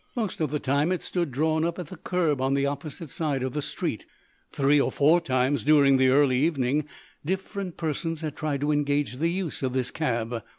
Most of the time it stood drawn up at the curb on the opposite side of the street. Three or four times, during the early evening, different persons had tried to engage the use of this cab.